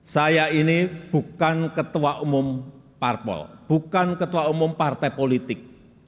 saya ini bukan ketua umum parpol bukan ketua umum partai politik